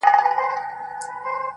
اوس په خوب کي هره شپه زه خوبان وینم,